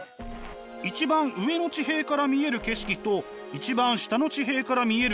一番上の地平から見える景色と一番下の地平から見える景色